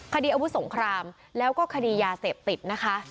คดีอาวุธสงครามแล้วก็คดียาเสพติดนะคะ